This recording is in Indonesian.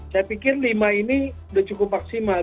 saya pikir lima ini sudah cukup maksimal